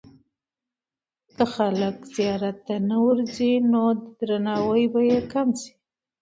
که خلک زیارت ته نه ورځي، نو درناوی به یې کم سي.